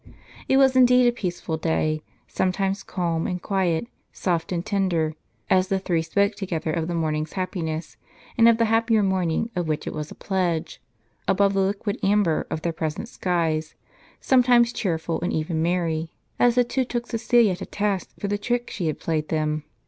It was indeed a peaceful day ; sometimes calm and (|uiet, soft and tender, as the three spoke together of the morning's happiness, and of the happier morning of which it was a pledge, above the liquid amber of their present skies ; some times cheerful and even merry, as the two took Cascilia to task for the trick she had played them.